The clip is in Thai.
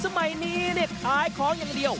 แม่แม่สมัยนี้ขายของอย่างเดียว